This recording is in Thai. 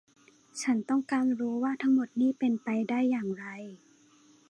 ฉันต้องการรู้ว่าทั้งหมดนี้เป็นไปได้อย่างไร